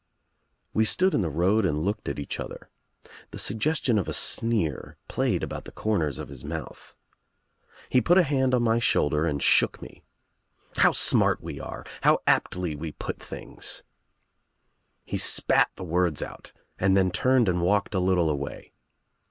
We stood in the road and looked at each other. The suggestion of a sneer played about the corners of his mouth. He put a hand on my shoulder and shook me. "How smart we are — how aptly we put things I" He spat the words out and then turned and walked a little away.